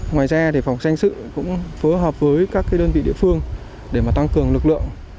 ngoài ra phòng sanh sự cũng phối hợp với các đơn vị địa phương để tăng cường lực lượng